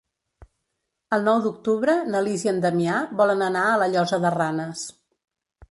El nou d'octubre na Lis i en Damià volen anar a la Llosa de Ranes.